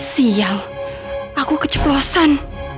sial aku keceplosan